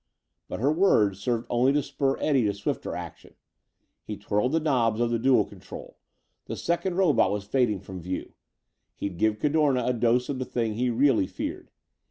But her words served only to spur Eddie to swifter action. He twirled the knobs of the dual control. The second robot was fading from view. He'd give Cadorna a dose of the thing he really feared.